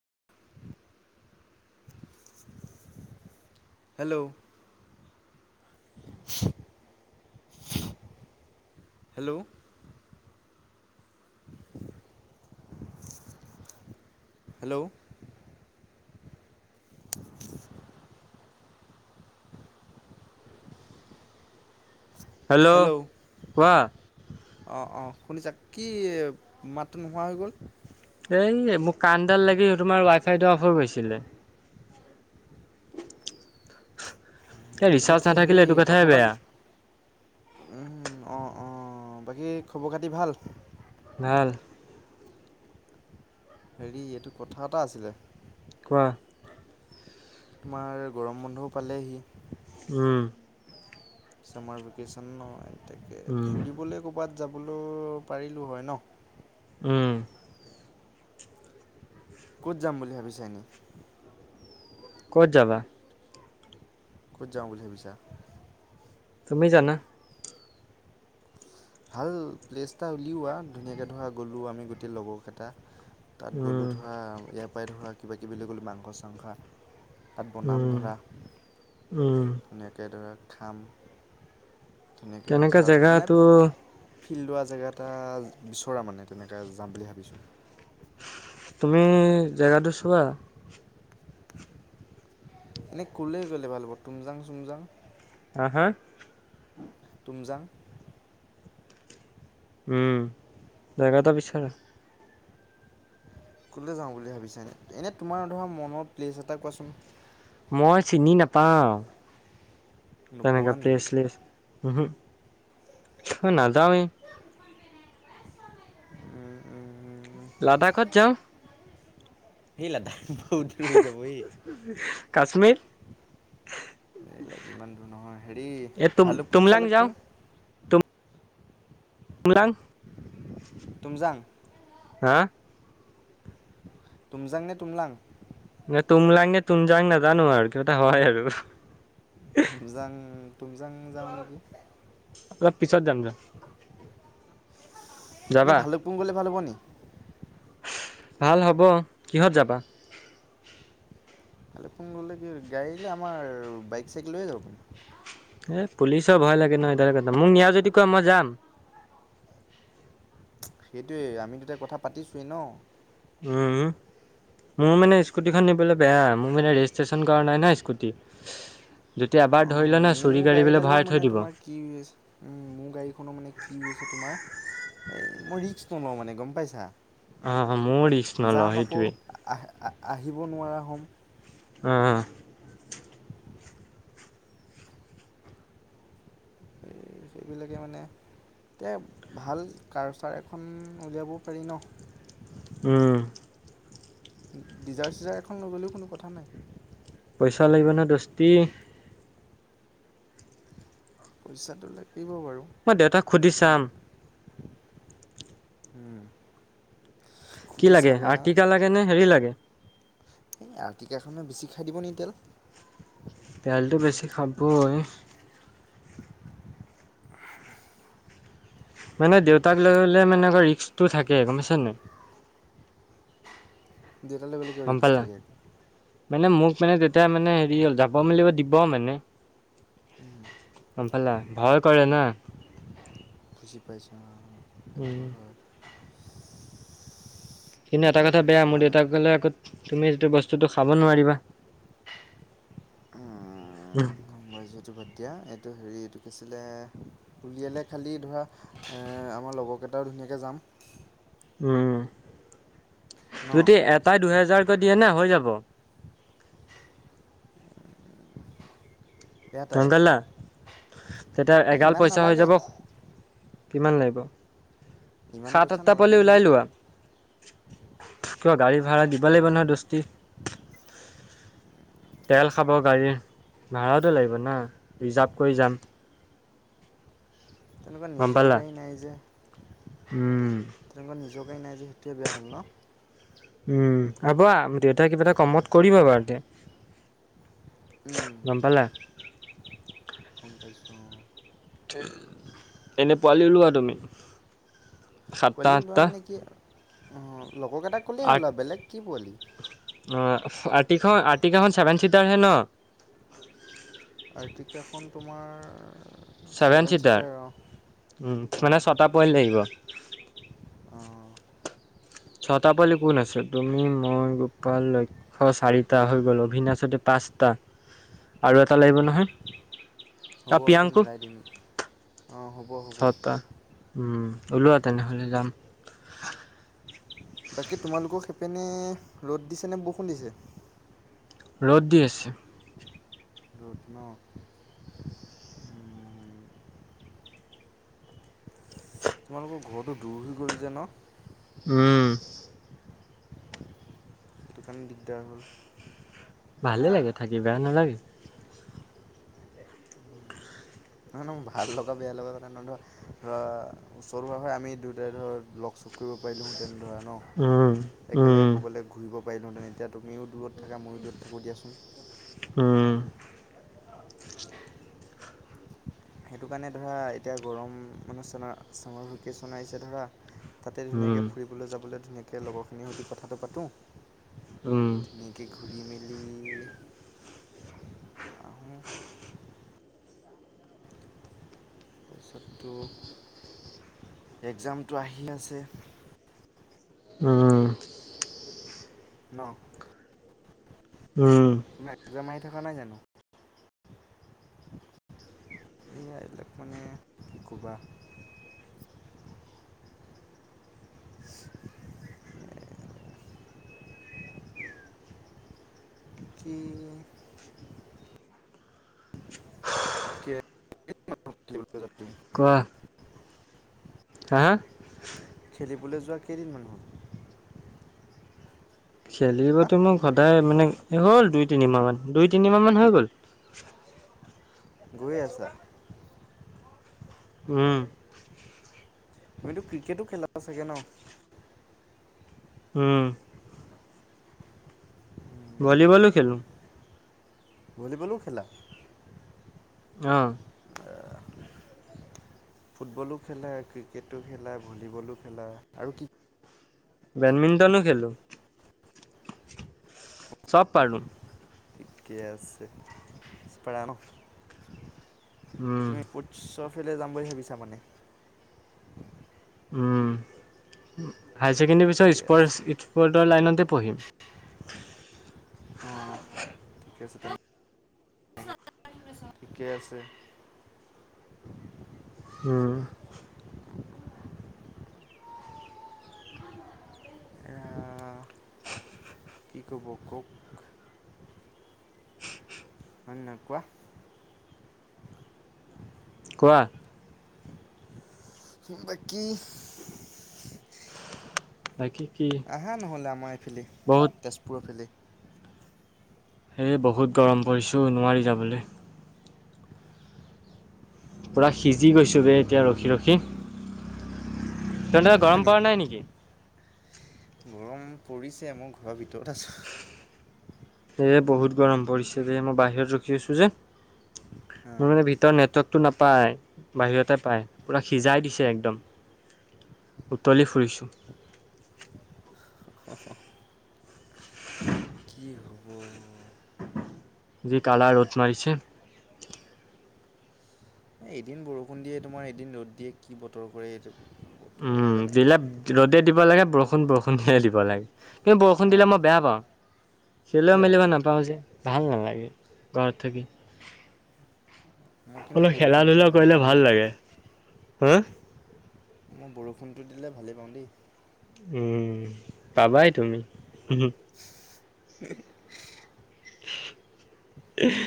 [inaudible] Hello hello, hello, [unintelligible] hello কোৱা। অঁ অঁ শুনিছা কি মাতটো নোহোৱা হৈ গ'ল। এই মোক কাণডাল লাগি তোমাৰ ৱাই ফাইটো অফ হৈ গৈছিলে। এই ৰিচাৰ্জ বাকী হেৰি নাথাকিলে এইটো কথা কথাইে এটা বেয়া। অঁ অঁ বাকী খবৰ খাতি ভাল। ভাল। হেৰি এইটো কথা এটা আছিলে। কোৱা। তোমাৰ গৰম বন্ধও পালেহি। ওম। ছামাৰ ভেকেশ্যন ন একে উম ফুৰিবলৈ ক'ৰবাত। যাবলৈ পাৰিলোঁ হয় ন। ওম। ক'ত যাম বুলি ভাবিছা এনে। ক'ত যাবা। ক'ত যাওঁ বুলি ভাবিছা। তুমি জানা। ভাল প্লেছ এটা উলিওৱা ধুনীয়াকে ধৰা গ'লোঁ আমি গোটেই লগৰকেইটা। তাত গ'লোঁ উম ধৰা ইয়াৰ পৰাই ধৰা কিবা কিবি লৈ গ'লো মাংস চাংস। তাত বনাম উম ধৰা উম ধুনীয়াকৈ ধৰা খাম। কেনেকা‌ জেগাটো। ফিল্ড লোৱা জেগা এটা বিচৰা মানে তেনেকৈ যাম বুলি ভাবিছোঁ। তুমি জেগাটো চোৱা। এনেই ক'লে গ'লে ভাল হ'ব তুমজাং চুমজাং। হা হা। তুমজাং। উম জগাটো বিচাৰা। ক'লৈ যাওঁ বুলি ভাবিছানে এনেই তোমাৰ ধৰা মনৰ প্লেছ এটা কোৱাচোন। মই চিনি নাপাওঁ তেনেকে নোপোৱা প্লেচ নেকি চেলেচ। উমহু নাযাওঁৱে। লাডাখত যাওঁ। সেই লাডাখ বহুত দোৰ হৈ যাব এই। এহ্। ইমান দূৰ নহয় হেৰি তুম ভালো পুং তুমলাং চালক যাওঁ পুং। মৰাং। তুমজাং। তুমজাং নে তুমলাং। তুমজাং তুমলাং নাজানোঁ আৰু কিবা এটা হয় আৰু। তুমজাং তুমজাং যাওঁ নেকি। তুমজাং পিছত যাম যোৱা। নাই ভালুকপুং গ'লে ভাল হ'ব নি। ভাল হ'ব কিহত যাবা। ভালুকপুং গ'লে কি গাড়ী যে আমাৰ বাইক চাইক লৈহে যাব পাৰিম। এ পুলিচৰ ভয় লাগে ন সেইটো কথা মোক নিয়া যদি কোৱা মই যাম। সেইটোৱে আমিগিটা কথা পাতিছোৱোৱেই ন। উম মোৰ মানে স্কুটিখন নিবলৈ বেয়া, মোৰ মানে ৰেজিষ্ট্ৰেশ্যন কৰা নাই নয়হ স্কুটি। যদি এবাৰ অঁ ধৰিলে নহয়। মোৰ গাড়ীডালেও মানে তোমাৰ কি আ হৈছে মোৰ গাড়ীখনো মানে কি হৈ আ হৈছে তোমাৰ। এই মই ৰিক্স নলওঁ মানে গম পাইছা। অ মইও নলও যাম আকৌ সেইটোৱে। আহ আহিব নোৱাৰা হ'ম। উম। এই সেইবিলাকে মানে। এ ভাল কাৰচাৰ এখন উলিয়াব পাৰি ন। উম। ডিজাৰ্ট চিজাৰ এখন লৈ গ'লেও কোনো কথা নাই। পইচা লাগিব ন দস্তি। পইচাটো লাগিব। মই দেউতাক সুধি চাম। হুম। কি লাগে আৰটিকা লাগে নে হেৰি লাগে। এই আতিকাখনে বেছি খাই দিব নি তেল। তেলটো বেছি খাবই হয়। মানে দেউতাক লৈলে মানে আকৌ ৰিক্কটো থাকে গমাইছ নে। দেতালৈ বলে কে গম ৰিক্স পালা থাকে। মানে মোক মানে তেতিয়া মানে হেৰি হ'ল যাব মেলিব দিব মানে। গম পালা ভয় কৰে না। বুজি পাইছোঁ উম হয়। কিন্তু এটা এইবিলাক কথা বেয়া মোৰ মানে দেউতাক কলে আকৌ তুমি যিটো বস্ত। টো খাব নোৱাৰিবা। মই যিহেতু ভদিয়া এইটো হেৰি এইটো কৈছিলে উলিয়ালে খালি ধৰা। আমাৰ লগৰকেইটাও ধুনীয়াকৈ যাম। উম ন যদি এটাই দুহেজাৰ। দিয়ে ন হৈ যাব। এটাই নকালা তেতিয়া এই এগাল ইমান পইচা হৈ নালাগে যাব। কিমান লাগিব ইমান সাত পইচা আঠটা নালাগে পালি ওলাই নেকি লোৱা। কিবা গাড়ী ভাড়া দিব লাগিব নহয় দস্তি। তেল খাব গাড়ীৰ ভাড়াত। লিব না ৰিজাৰ্ভ কৰি যাম। কা গম নিজৰ পালা গাড়ী নাই যে। উম। তেনেকুৱা নিজকে নাই যে সেইটোৱে বেয়া হ'ল ন। উম হব দেউতা কিবা এটা কমত কৰিব বু এতিয়া। গম পালা। গম পাইছোঁ এনে পোৱালি ওলোৱা তুমি। সাতটা পোৱালি লোৱা আঠটা মানে কি। লগৰকেইটা ক'লেই আঠ হ'ল আৰু বেলেগ কি পোৱালি। আ আৰ্টিকাখন ছেভেন চিটাৰ হে ন? আৰ্টিকেলখন তোমাৰ ছেভেন চিটাৰ? ছিটাৰ অঁ অঁ মানে ছটা পইণ্ট লাগিব। অঁ ছটা পোৱালি কোন আছে? তুমি, মই, গোপাল, লক্ষ্য চাৰিটা হৈ গল। অভিন আছে দুটা পাঁচটা আৰু এটা লাগিব নহয়। হ'ব আৰু সেইটো প্ৰিয়াংকু মিলাই দিম। অঁ হ'ব, হ'ব। ছটা উম ওলোৱা তেনেহলে যাম। বাকী তোমালোকৰ সিপিনে ৰ'দ দিছে নে বৰষুণ দিছে? ৰ'দ দি আছে। ৰ'দ ন তোমালোকৰ ঘৰটো দূৰ হৈ গ'ল যে ন? উম। সেইটো কাৰণে দিগদাৰ হ'ল। ভালে লাগে থাকি, বেয়া নালাগে। নহয় ভাল লগা বেয়া লগা কথা নহয় ধৰ। ধৰা ওচৰ হোৱা হৈ আমি দুয়োটাই ধৰ লগ চক কৰিব পাৰিম। পাৰিলোঁ হেঁতেন ধৰা ন। উম একেলগে উম কবালে ঘূৰিব পাৰিলোহেঁতেন। এতিয়া তুমিও দূৰত থাকা, মইয়ো দূৰত থাকোঁ দিয়াচোন। অঁ। সেইটো কাৰণে ধৰা এতিয়া গৰম মানুহ চ চামাৰ ভেকেচন আহিছে ধৰা তাতে উম ধুনীয়াকে ফুৰিবলৈ যাবলে ধুনীয়াকৈ লগৰখিনিৰ সৈতে কথাটো পাতোঁ। উ। ধুনীয়াকৈ ঘূৰি মেলি আহোঁ। তাৰপিছতটো একজামটো আহি আছে। উ। ন? উম। [unintelligible] মাৰি থকা নাই জানো? এই এইবিলাক মানে কি কবা। কি খেলিবলৈ যোৱা তুমি কোৱা। হা? খেলিবলে যোৱা কেইদিনমান হল? হা খেলিবতো মোৰ সদায় মানে হ'ল দুই তিনিমাহ মান। দুই তিনিমাহ মান হৈ গ'ল। [inaudible] হৈ আছা। উম। তুমিতো ক্ৰিকেটো খেলা চাগে ন? হু। ভলিবলো খেলো। ভলীবলো খেলা? অঁ। ফুটবলো খেলা, ক্ৰিকেটো খেলা, ভলীবলো খেলা আৰু কি বেডমিণ্টনো খেলো। চব পাৰো। ঠিকে আছে [unintelligible] ন উম, তুমি [unintelligible] ফালে যাম বুলি ভাবিছা মানে? উম, হাই ছেকেণ্ডৰী ঠিকে পিছত আছে স্পৰ্টছ, স্পৰ্টৰ লাইনতে পঢ়িম। অঁ [inaudible] ঠিকে আছে। তুমি ঠিকে আছে। উম। এয়া কি ক'ব কওঁক। হয় ন কোৱা। কোৱা। বাকী। নাই কি। আহা নহ'লে আমাৰ এইফালি বহুত তেজপুৰৰ ফালে। এই বহুত গৰম পৰিছোঁ নোৱাৰি যাবলৈ। পূৰা সিজি গৈছোঁগৈ এতিয়া ৰখি ৰখি। তে গৰম পৰা নাই নেকি। গৰম পৰিছে মোৰ ঘৰৰ ভিতৰত আছে। এ বহুত গৰম পৰিছে দে মই বাহিৰত ৰখি আছো যে হা মোৰ মানে ভিতৰত নেটৱৰ্কটো নাপায় বাহিৰতে পায় পুৰা সিজাই দিছে একদম উম। উতলি ফুৰিছোঁ। কি [inaudible] হ'ব যি কালা ৰদ মাৰিছে। এদিন বৰষুণ দিয়ে তোমাৰ এদিন ৰ'দ দিয়ে কি বতৰ কৰে এইটো! বতৰেহে উম জানে আৰু যিলাক ৰ'দে দিব লাগে বৰষুণ বৰষুণে দিব লাগে। তুমি বৰষুণ দিলে অঁ মই বেয়া পাওঁ। খেলও কিয় মেলিব নাপাওঁ যে ভাল নালাগে ঘৰত থাকি। মই কিন্তু অলপ খেলা বৰষুণ দিলে ধূলা ভালেই কৰিলে পাওঁ দেই ভাল লাগে, হা? মই বৰষুণটো দিলে ভালেই পাওঁ দেই। উম পাবাই তুমি। [unintelligible] উ [unintelligible]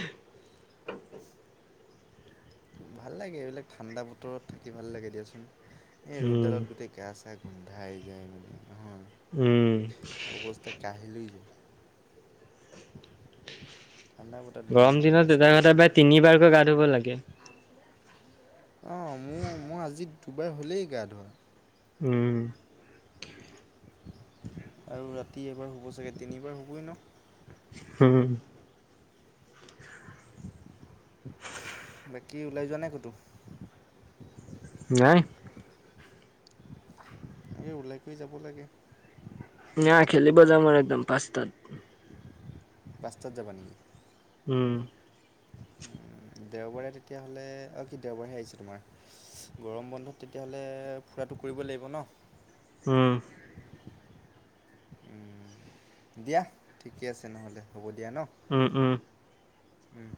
ভাল লাগে এইবিলাক ঠাণ্ডা বতৰত থাকি ভাল লাগে দিয়াচোন, এই উম ৰ'দডালত গোটেই গা চা গ গোন্ধাই যায় মানে হ উম অৱস্থা কাঢ়িল হৈ যায়। ঠাণ্ডা বতৰত গৰম ধুনীয়াকৈ বিন্দাছ দিনত এটা কথা থাকা বেয়া তিনিবাৰকৈ গা ধুব লাগে। অঁ মোৰ মই আজি দুবাৰ হলেই গা ধোৱা। উম। আৰু ৰাতি এবাৰ শুব চাগে তিনিবাৰ হুবই ন। হম। বাকী ওলাই যোৱা নাই ক'তো? নাই। ওলাই গৈ যাব লাগে। ন খেলিব যাম একদম পাঁচ তাত। পাঁচটাত যাবা নেকি? উম। দেওবাৰে তেতিয়াহ'লে অঁ কি দেওবাৰে আহিছো তোমাৰ গৰম বন্ধত তেতিয়াহ'লে খুৰাটো কৰিব লাগিব ন? হম। ন দিয়া ঠিকে আছে নহ'লে হ'ব দিয়া। ন উম উম। উম।